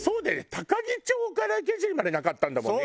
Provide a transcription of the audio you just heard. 高樹町から池尻までなかったんだもんね？